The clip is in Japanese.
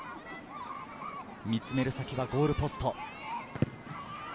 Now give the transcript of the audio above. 見つめる先はゴールポスト。